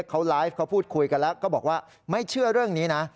เขาไลฟ์เขาพูดคุยกันแล้วก็บอกว่าไม่เชื่อเรื่องนี้นะ